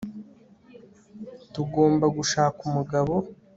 tugomba gushaka umugabo